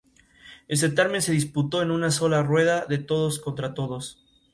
Es conocida por interpretar a Jimena Elizondo en la exitosa telenovela "Pasión de gavilanes".